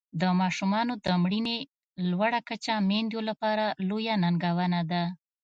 د ماشومانو د مړینې لوړه کچه میندو لپاره لویه ننګونه ده.